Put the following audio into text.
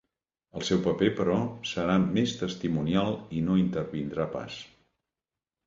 El seu paper, però, serà més testimonial i no intervindrà pas.